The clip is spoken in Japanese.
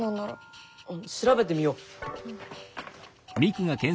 あっ調べてみよう。